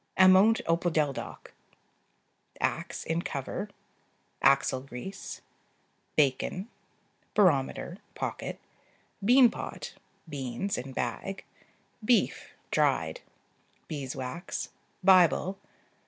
Ammon'd opodeldoc. Axe (in cover). Axle grease. Bacon. Barometer (pocket). Bean pot. Beans (in bag). Beef (dried). Beeswax. Bible.